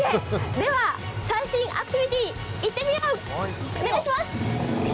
では最新アクティビティーいってみよう！